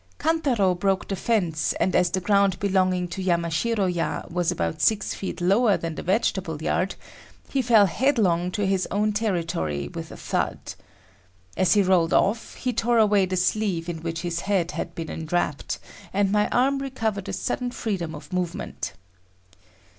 Kantaro broke the fence and as the ground belonging to Yamashiro ya was about six feet lower than the vegetable yard, he fell headlong to his own territory with a thud. As he rolled off he tore away the sleeve in which his head had been enwrapped, and my arm recovered a sudden freedom of movement.